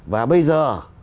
và bây giờ